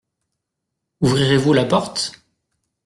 Ouvrirez-vous la porte ?